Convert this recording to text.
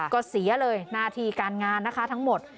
ก็เสียเลยหน้าที่การงานนะคะทั้งหมด